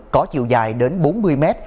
có chiều dài đến bốn mươi mét